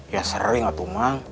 ya sering waktu mang